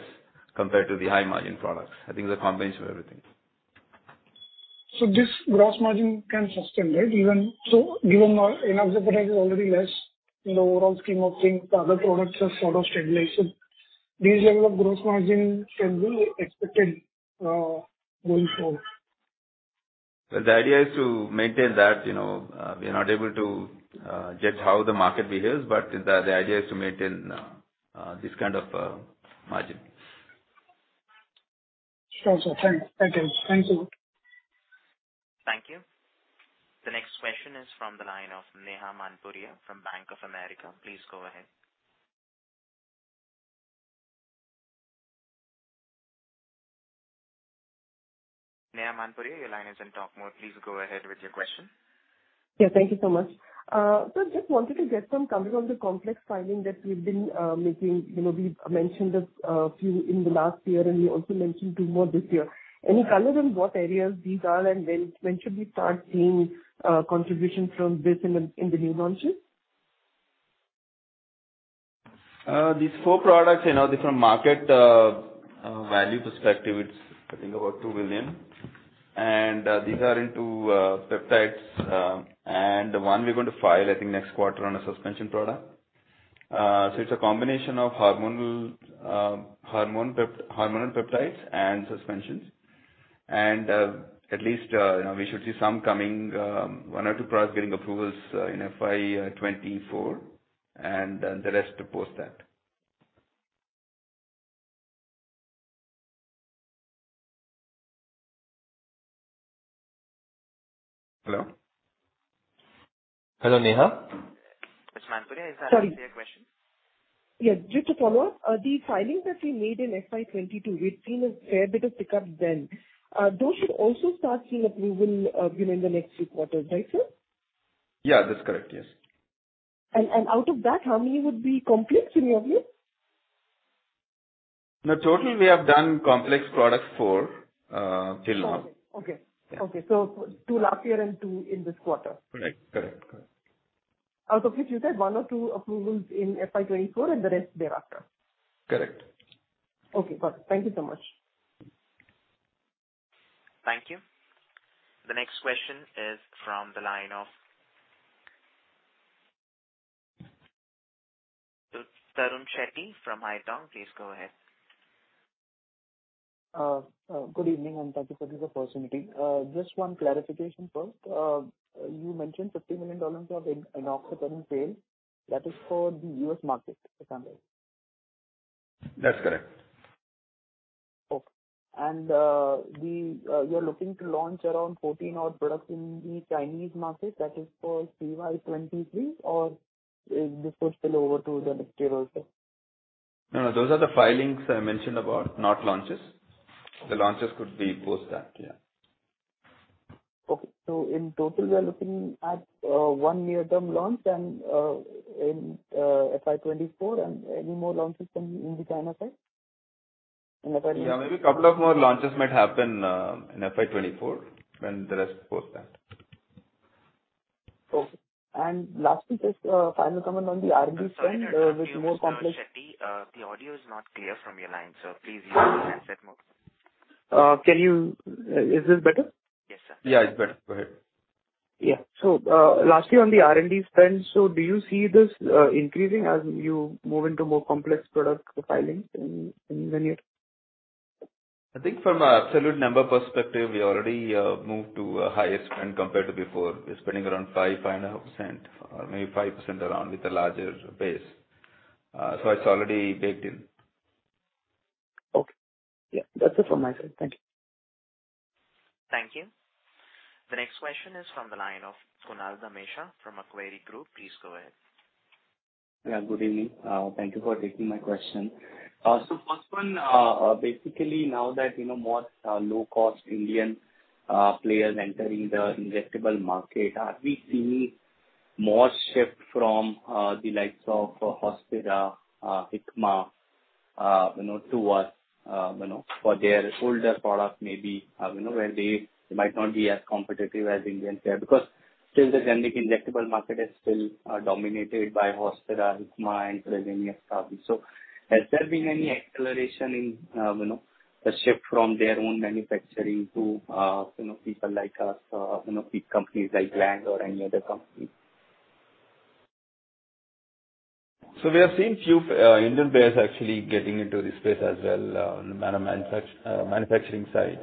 compared to the high margin products. I think it's a combination of everything. This gross margin can sustain, right? Even so given Enoxaparin is already less in the overall scheme of things, the other products are sort of stabilized. This level of gross margin can be expected going forward. Well, the idea is to maintain that, you know. We are not able to judge how the market behaves, but the idea is to maintain this kind of margin. Sure, sir. Thank you. Thank you. Thank you. The next question is from the line of Neha Manpuria from Bank of America. Please go ahead. Neha Manpuria, your line is on talk mode. Please go ahead with your question. Yeah. Thank you so much. Just wanted to get some color on the complex filing that we've been making. You know, we mentioned a few in the last year, you also mentioned two more this year. Any color on what areas these are and when should we start seeing contribution from this in the new launches? These four products, you know, different market value perspective, it's I think about $2 billion. These are into peptides. One we're going to file, I think, next quarter on a suspension product. It's a combination of hormonal peptides and suspensions. At least, you know, we should see some coming, one or two products getting approvals in FY 2024, and then the rest post that. Hello? Hello, Neha. Mrs. Manpuria. Sorry. Answer your question. Yeah. Just to follow up. The filings that we made in FY 2022, we've seen a fair bit of pickup then. Those should also start seeing approval, you know, in the next few quarters, right, sir? Yeah, that's correct. Yes. Out of that, how many would be complex, in your view? No, total we have done complex products four, till now. Okay. Okay. two last year and two in this quarter. Correct. Correct. Correct. Out of which you said one or two approvals in FY 2024 and the rest thereafter. Correct. Okay, got it. Thank you so much. Thank you. The next question is from the line of Tarun Shetty from Haitong. Please go ahead. Good evening, and thank you for this opportunity. Just one clarification first. You mentioned $50 million of Enoxaparin sale. That is for the U.S. market, if I'm right? That's correct. Okay. You're looking to launch around 14 odd products in the Chinese market. That is for FY 2023, or this will spill over to the next year also? No, no, those are the filings I mentioned about, not launches. The launches could be post that. Yeah. Okay. In total, we are looking at, one near-term launch and, in, FY 2024 and any more launches in the China side in the current year? Yeah, maybe a couple of more launches might happen, in FY 2024 and the rest post that. Okay. Lastly, just a final comment on the R&D spend. Sorry to interrupt you, Mr. Shetty. The audio is not clear from your line. Please use the handset mode. Is this better? Yes, sir. Yeah, it's better. Go ahead. Yeah. Lastly, on the R&D spend, so do you see this increasing as you move into more complex product filings in the near term? I think from a absolute number perspective, we already moved to a highest spend compared to before. We're spending around 5.5% or maybe 5% around with the larger base. It's already baked in. Okay. Yeah. That's it from my side. Thank you. Thank you. The next question is from the line of Kunal Dhamesha from Macquarie Group. Please go ahead. Yeah, good evening. Thank you for taking my question. First one, basically now that, you know, more low-cost Indian players entering the injectable market, are we seeing more shift from the likes of Hospira, Hikma, you know, to us, you know, for their older product maybe, you know, where they might not be as competitive as Indian player? Since the generic injectable market is still dominated by Hospira, Hikma and Teva, and yes, Sandoz. Has there been any acceleration in, you know, the shift from their own manufacturing to, you know, people like us, you know, big companies like Gland or any other company? We have seen few Indian players actually getting into this space as well, on the manufacturing side.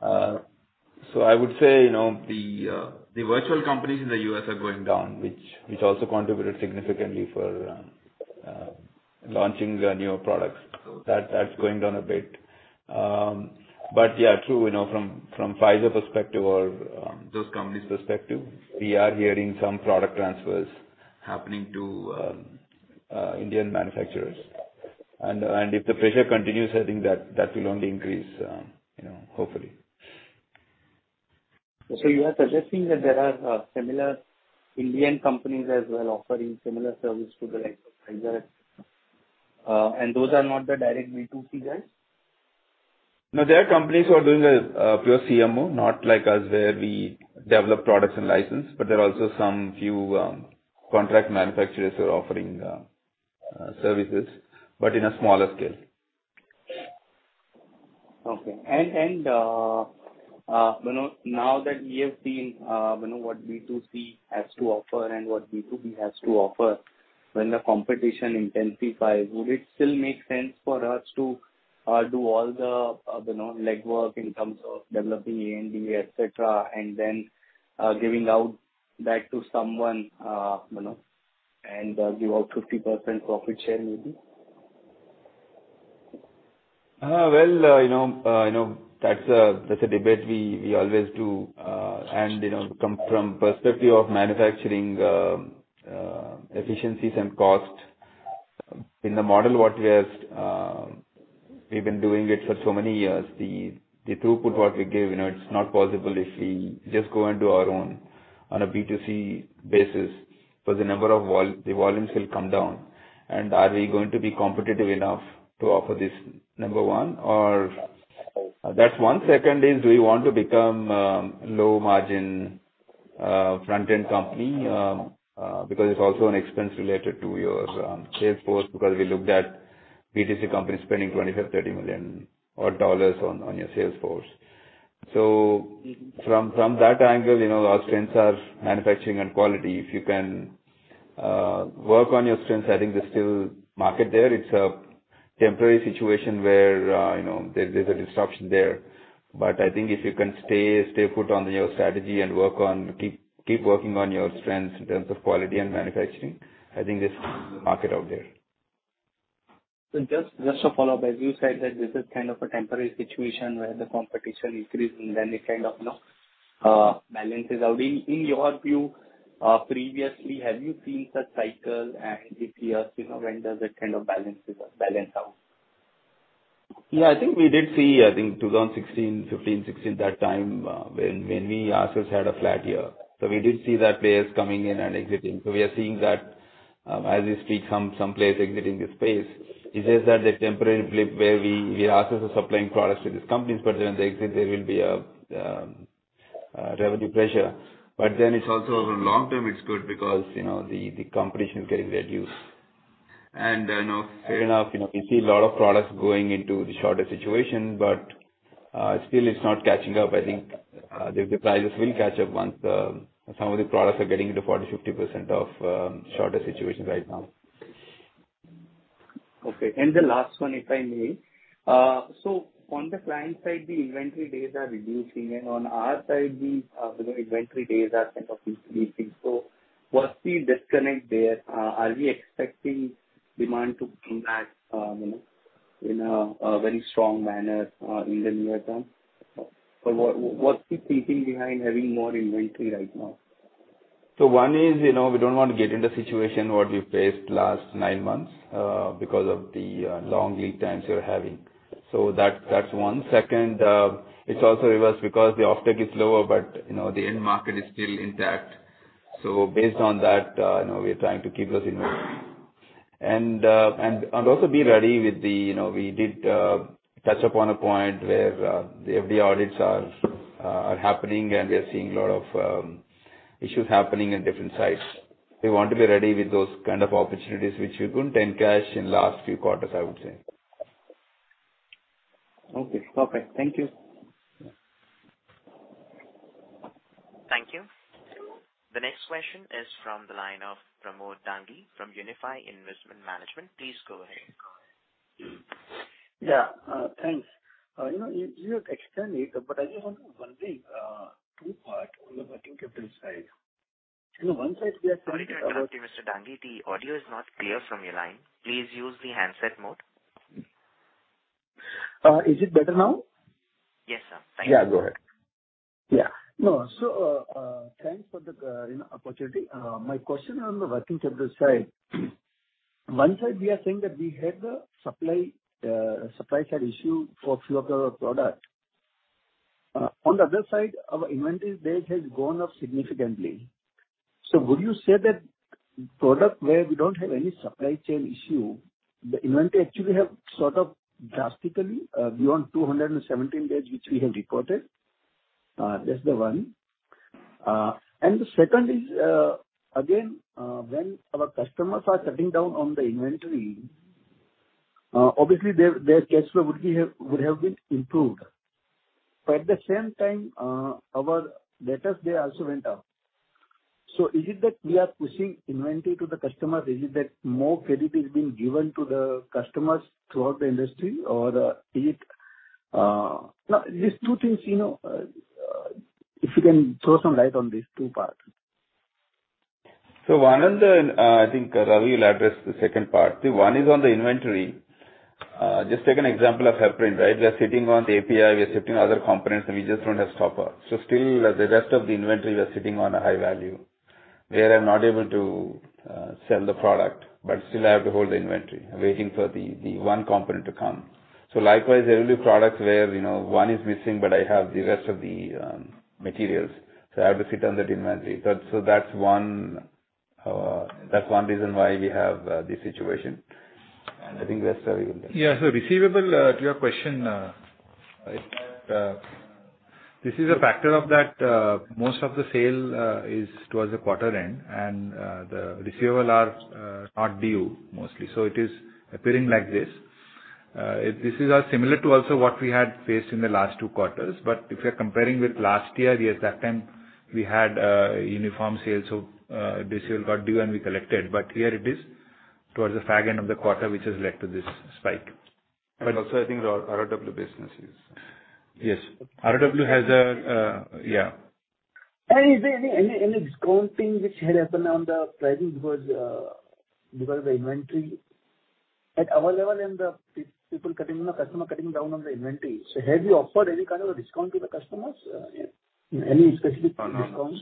I would say, you know, the virtual companies in the U.S. are going down, which also contributed significantly for launching the newer products. That's, that's going down a bit. Yeah, true, you know, from Pfizer perspective or those companies perspective, we are hearing some product transfers happening to Indian manufacturers. If the pressure continues, I think that that will only increase, you know, hopefully. You are suggesting that there are similar Indian companies as well offering similar service to the likes of Pfizer, and those are not the direct B2C guys? No, there are companies who are doing a pure CMO, not like us where we develop products and license. There are also some few contract manufacturers who are offering services, but in a smaller scale. Okay. You know, now that we have seen, you know, what B2C has to offer and what B2B has to offer, when the competition intensifies, would it still make sense for us to do all the, you know, legwork in terms of developing ANDA, et cetera, and then giving out back to someone, you know, and give out 50% profit share maybe? Well, you know, that's a debate we always do. You know, from perspective of manufacturing, efficiencies and cost, in the model what we have, we've been doing it for so many years. The throughput what we give, you know, it's not possible if we just go and do our own on a B2C basis for the number of volumes will come down. Are we going to be competitive enough to offer this, number one. That's one. Second is, do we want to become a low margin front-end company, because it's also an expense related to your sales force, because we looked at B2C companies spending $25 million-$30 million on your sales force. From that angle, you know, our strengths are manufacturing and quality. If you can work on your strengths, I think there's still market there. It's a temporary situation where, you know, there's a disruption there. I think if you can stay put on your strategy and keep working on your strengths in terms of quality and manufacturing, I think there's market out there. Just a follow-up, as you said that this is kind of a temporary situation where the competition increases, then it kind of, you know, balances out. In your view, previously, have you seen such cycles and if yes, you know, when does it kind of balances or balance out? Yeah, I think we did see, I think 2016, 2015, 2016, that time, when we also had a flat year. We did see that players coming in and exiting. We are seeing that, as we speak, some players exiting the space. It's just that the temporary blip where we also are supplying products to these companies, but then they exit, there will be a revenue pressure. It's also over long term, it's good because, you know, the competition is getting reduced. You know, fair enough, you know, we see a lot of products going into the shorter situation, but still it's not catching up. I think the prices will catch up once some of the products are getting into 40%, 50% of shorter situations right now. Okay. The last one, if I may. On the client side, the inventory days are reducing, and on our side, the, you know, inventory days are kind of increasing. What's the disconnect there? Are we expecting demand to come back, you know, in a very strong manner in the near term? What's the thinking behind having more inventory right now? One is, you know, we don't want to get in the situation what we faced last nine months, because of the long lead times we are having. That's one. Second, it's also reverse because the offtake is lower, but, you know, the end market is still intact. Based on that, you know, we are trying to keep those inventory. Also be ready with the. You know, we did touch upon a point where the FDA audits are happening, and we are seeing a lot of issues happening in different sites. We want to be ready with those kind of opportunities which we couldn't encash in last few quarters, I would say. Okay. Perfect. Thank you. Thank you. The next question is from the line of Pramod Dangi from Unifi Investment Management. Please go ahead. Yeah. Thanks. You know, you have explained it, I just want to one thing, two-part on the working capital side. You know, one side we are seeing- Sorry to interrupt you, Mr. Dangi. The audio is not clear from your line. Please use the handset mode. Is it better now? Yes, sir. Thank you. Yeah, go ahead. Yeah. No, thanks for the, you know, opportunity. My question on the working capital side, one side we are saying that we had the supply chain issue for a few of our product. On the other side, our inventory base has gone up significantly. Would you say that product where we don't have any supply chain issue, the inventory actually have sort of drastically beyond 217 days, which we have reported. That's the one. The second is, again, when our customers are cutting down on the inventory, obviously their cash flow would have been improved. At the same time, our debtors, they also went up. Is it that we are pushing inventory to the customer? Is it that more credit is being given to the customers throughout the industry? Now, these two things, you know, if you can throw some light on these two parts? One on the... I think Ravi will address the second part. One is on the inventory. Just take an example of Heparin, right? We are sitting on the API, we are sitting on other components, we just don't have stopper. Still the rest of the inventory, we are sitting on a high value, where I'm not able to sell the product, but still I have to hold the inventory waiting for the one component to come. Likewise, there will be products where, you know, one is missing, but I have the rest of the materials. I have to sit on that inventory. That's one, that's one reason why we have this situation. I think the rest Ravi will take. Yeah. Receivable, to your question, is that this is a factor of that most of the sale is towards the quarter end, and the receivable are not due mostly. It is appearing like this. This is similar to also what we had faced in the last two quarters. If you're comparing with last year, yes, that time we had uniform sales, this sale got due and we collected. Here it is towards the far end of the quarter, which has led to this spike. Also I think our ROW business. Yes. ROW has a. Yeah. Is there any discounting which had happened on the pricing because of the inventory at our level and the people cutting or customer cutting down on the inventory? Have you offered any kind of a discount to the customers, any specific discounts? No, no.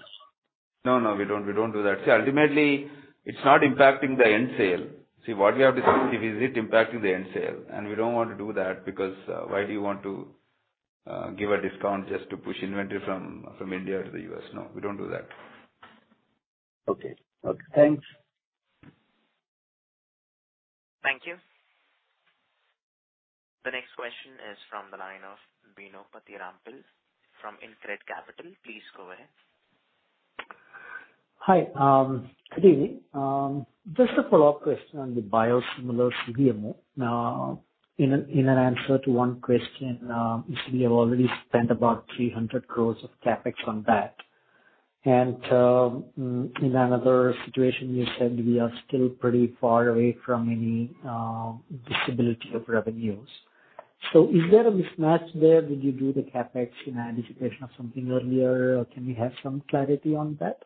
No, no, we don't, we don't do that. See, ultimately, it's not impacting the end sale. See, what we have discussed, if is it impacting the end sale, we don't want to do that because why do you want to give a discount just to push inventory from India to the U.S.? No, we don't do that. Okay. Okay. Thanks. Thank you. The next question is from the line of Binod Prasad Roulley from Integrity Capital Partners. Please go ahead. Hi. Good evening. Just a follow-up question on the biosimilar CDMO. In an answer to one question, you said you have already spent about 300 crores of CapEx on that. In another situation, you said we are still pretty far away from any visibility of revenues. Is there a mismatch there? Did you do the CapEx in anticipation of something earlier? Can we have some clarity on that?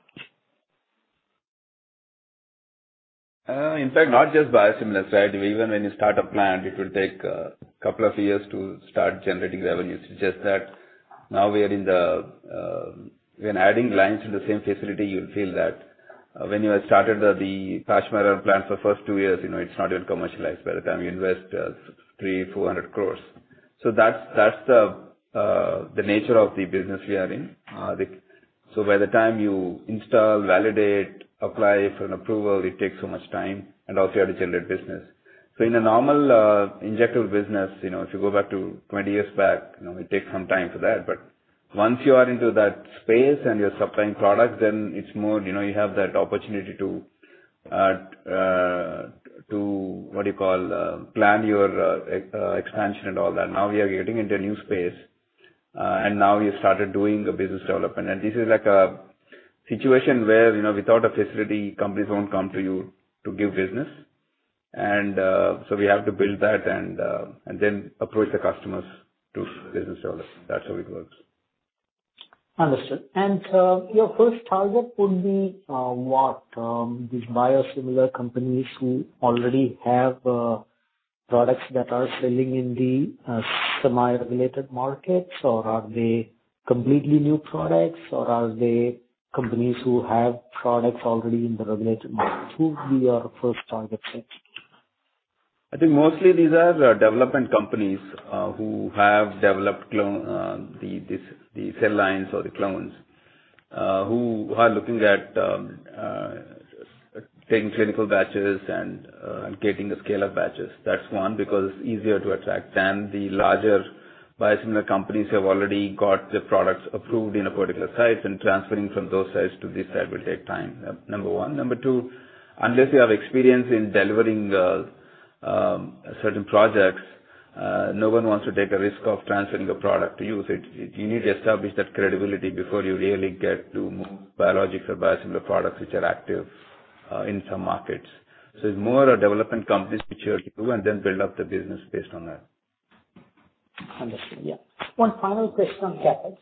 In fact, not just biosimilar side. Even when you start a plant, it will take a couple of years to start generating revenues. It's just that now we are in the When adding lines to the same facility, you'll feel that when you had started the Pashamylaram plant, for first two years, you know, it's not even commercialized by the time you invest 300 crore-400 crore. That's, that's the nature of the business we are in. By the time you install, validate, apply for an approval, it takes so much time and also you have to generate business. In a normal injectable business, you know, if you go back to 20 years back, you know, it takes some time for that. Once you are into that space and you're supplying products, then it's more, you know, you have that opportunity to, what do you call, plan your e-expansion and all that. We are getting into a new space, and now we've started doing the business development. This is like a situation where, you know, without a facility, companies won't come to you to give business. So we have to build that and then approach the customers to do business development. That's how it works. Understood. Your first target would be what? These biosimilar companies who already have products that are selling in the semi-regulated markets? Or are they completely new products or are they companies who have products already in the regulated markets? Who will be your first target set? I think mostly these are development companies who have developed clone, the cell lines or the clones, who are looking at taking clinical batches and getting the scale of batches. That's one, because it's easier to attract than the larger biosimilar companies who have already got their products approved in a particular site, and transferring from those sites to this site will take time. Number one. Number two, unless you have experience in delivering certain projects, no one wants to take a risk of transferring a product to you. You need to establish that credibility before you really get to more biologic or biosimilar products which are active in some markets. It's more a development companies which you have to do and then build up the business based on that. Understood. Yeah. One final question on CapEx.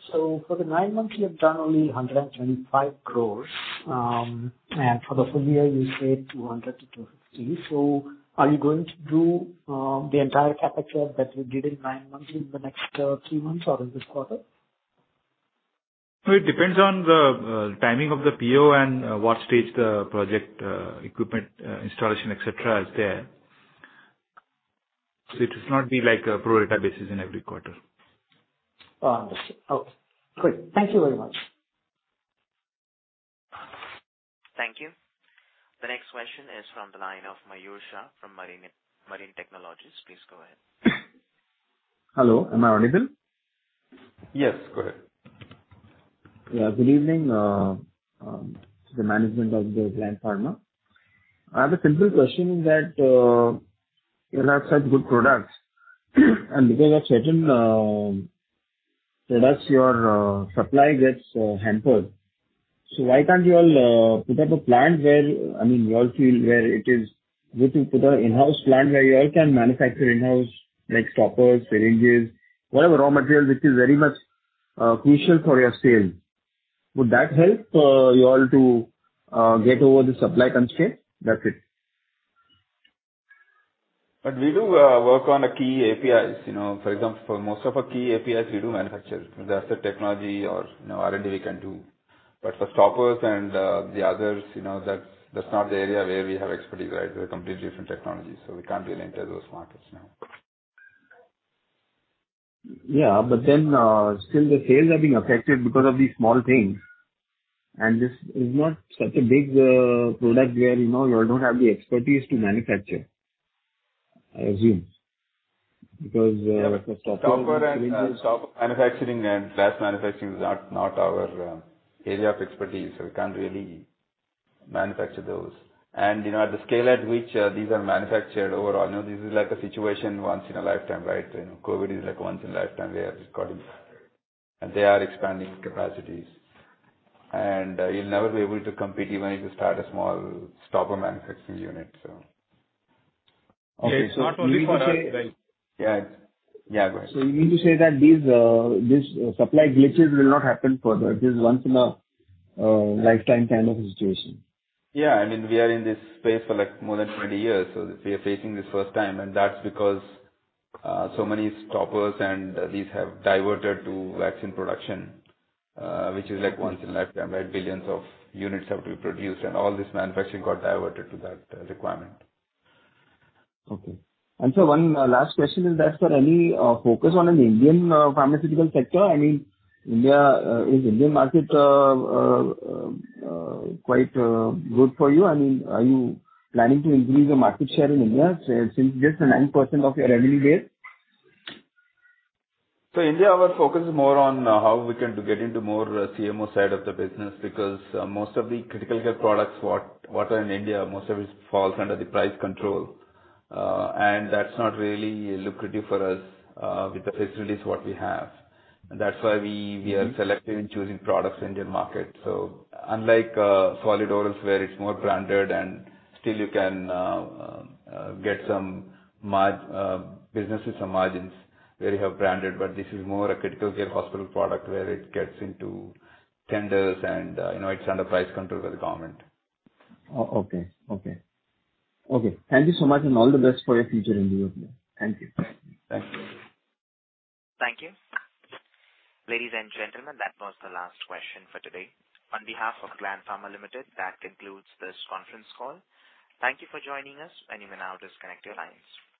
For the nine months, you have done only 125 crores. And for the full year you said 200-250. Are you going to do the entire CapEx that you did in nine months in the next three months or in this quarter? No, it depends on the timing of the PO and what stage the project, equipment, installation, et cetera, is there. It does not be like a pro rata basis in every quarter. Oh, understood. Okay. Good. Thank you very much. Thank you. The next question is from the line of Mayur Shah from Mistra Capital. Please go ahead. Hello, am I audible? Yes, go ahead. Yeah. Good evening to the management of the Gland Pharma. I have a simple question that you have such good products, and because of certain products, your supply gets hampered. Why can't you all put up a plant where, I mean, you all feel where it is good to put a in-house plant where you all can manufacture in-house, like stoppers, syringes, whatever raw materials which is very much crucial for your sales? Would that help you all to get over the supply constraint? That's it. We do work on a key APIs. You know, for example, for most of our key APIs we do manufacture. If that's the technology or, you know, R&D we can do. For stoppers and the others, you know, that's not the area where we have expertise, right? They're completely different technologies, so we can't really enter those markets now. Yeah. still the sales are being affected because of these small things. This is not such a big product where, you know, you all don't have the expertise to manufacture, I assume. Because, Yeah. Stopper manufacturing and glass manufacturing is not our area of expertise, so we can't really manufacture those. You know, at the scale at which these are manufactured overall, you know, this is like a situation once in a lifetime, right? You know, COVID is like once in a lifetime. They have got it and they are expanding capacities. You'll never be able to compete even if you start a small stopper manufacturing unit, so. Okay. You mean to say- Yeah. Yeah, go ahead. You mean to say that these supply glitches will not happen further, this is once in a lifetime kind of a situation? Yeah. I mean, we are in this space for like more than 20 years. We are facing this first time, That's because so many stoppers and these have diverted to vaccine production, which is like once in a lifetime, right? Billions of units have to be produced and all this manufacturing got diverted to that requirement. Okay. One last question is that for any focus on an Indian pharmaceutical sector. I mean, is Indian market quite good for you? I mean, are you planning to increase the market share in India since it's just a 9% of your revenue base? India, our focus is more on how we can get into more CMO side of the business because most of the critical care products, what are in India, most of it falls under the price control. That's not really lucrative for us with the facilities what we have. That's why we are selective in choosing products in Indian market. Unlike solid orals where it's more branded and still you can get some businesses, some margins where you have branded, but this is more a critical care hospital product where it gets into tenders and, you know, it's under price control by the government. Okay. Thank you so much. All the best for your future endeavors. Thank you. Bye. Thank you. Thank you. Ladies and gentlemen, that was the last question for today. On behalf of Gland Pharma Limited, that concludes this conference call. Thank you for joining us, and you may now disconnect your lines.